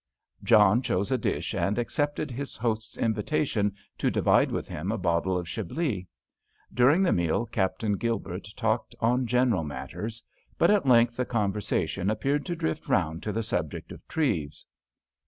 John chose a dish and accepted his host's invitation to divide with him a bottle of Chablis. During the meal Captain Gilbert talked on general matters. But at length the conversation appeared to drift round to the subject of Treves.